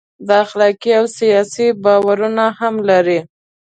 دا اخلاقي او سیاسي باورونه هم لري.